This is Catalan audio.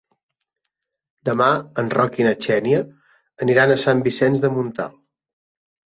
Demà en Roc i na Xènia aniran a Sant Vicenç de Montalt.